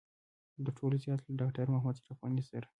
تر ټولو زيات له ډاکټر محمد اشرف غني سره.